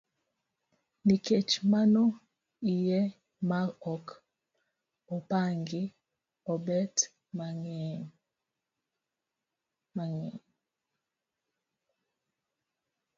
Nikech mano iye ma ok opangi obet mang'eny.